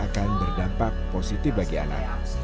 akan berdampak positif bagi anak